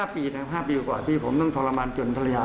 ๕ปีนะ๕ปีกว่าที่ผมต้องทรมานจนธรรยา